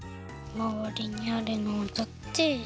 まわりにあるのをとって。